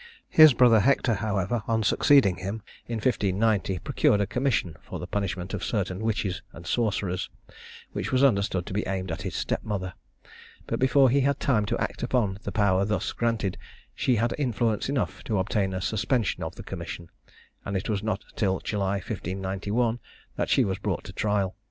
His brother Hector, however, on succeeding him in 1590, procured a commission for the punishment of certain witches and sorcerers, which was understood to be aimed at his step mother; but before he had time to act upon the power thus granted, she had influence enough to obtain a suspension of the commission; and it was not till July 1591 that she was brought to trial.